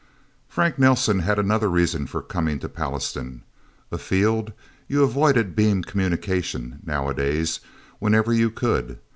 Frank Nelsen had another reason for coming to Pallastown. Afield, you avoided beam communication, nowadays, whenever you could.